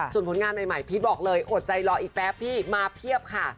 ส่วนผลงานใหม่พีชบอกเลยอดใจรออีกแป๊บพี่มาเพียบค่ะ